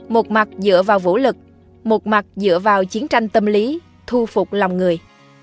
một mặt dựa vào vũ lực một mặt dựa vào chiến tranh tâm lý thu phục lòng người